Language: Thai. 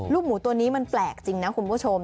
หมูตัวนี้มันแปลกจริงนะคุณผู้ชม